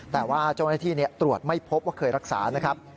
แต่ว่าเจ้าหน้าที่ตรวจไม่พบว่าเคยรักษานะครับ